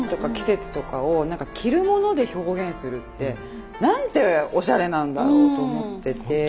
季節とかを着るもので表現するってなんておしゃれなんだろうと思ってて。